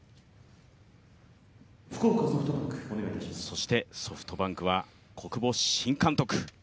そしてソフトバンクは、小久保新監督。